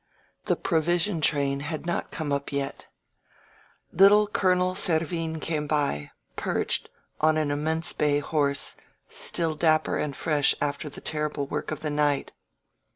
The provision train had not come up yex»« ••• Little Colonel Servin came by, perched on an im« mense bay horse, still dapper and fresh after the terri ble work of the night.